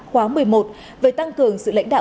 khóa một mươi một về tăng cường sự lãnh đạo